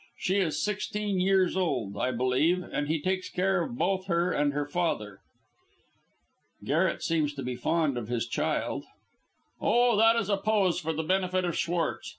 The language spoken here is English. She is sixteen years old, I believe, and he takes care both of her and her father." "Garret seems to be fond of his child." "Oh, that is a pose for the benefit of Schwartz.